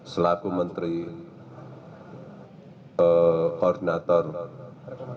selaku menteri koordinator bidang tindak pindahan khusus